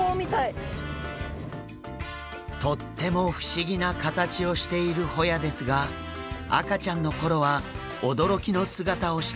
とっても不思議な形をしているホヤですが赤ちゃんの頃は驚きの姿をしているんです。